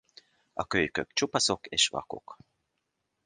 A kölykök csupaszok és vakok.